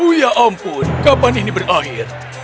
oh ya ampun kapan ini berakhir